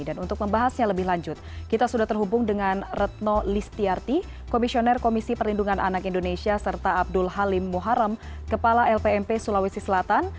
dan untuk membahasnya lebih lanjut kita sudah terhubung dengan retno listiarti komisioner komisi perlindungan anak indonesia serta abdul halim muharrem kepala lpmp sulawesi selatan